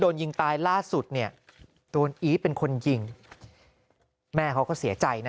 โดนยิงตายล่าสุดเนี่ยโดนอีทเป็นคนยิงแม่เขาก็เสียใจนะ